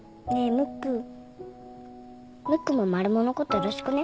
ムックもマルモのことよろしくね。